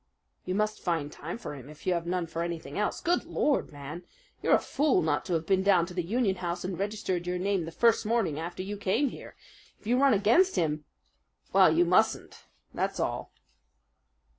"You must find time for him if you have none for anything else. Good Lord, man! you're a fool not to have been down to the Union House and registered your name the first morning after you came here! If you run against him well, you mustn't, that's all!"